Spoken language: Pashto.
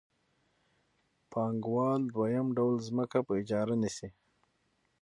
ب پانګوال دویم ډول ځمکه په اجاره نیسي